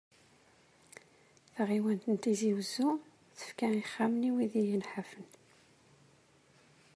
Taɣiwant n Tizi wezzu tefka ixxamen i wid yenḥafen.